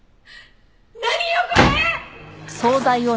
何よこれ！